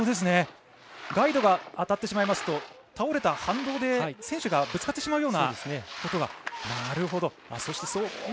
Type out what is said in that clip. ガイドが当たってしまいますと倒れた反動で選手がぶつかってしまうようなことが。